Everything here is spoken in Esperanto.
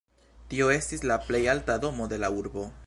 Tio estis la plej alta domo de la urbo.